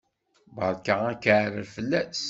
Berka akaɛrer fell-as!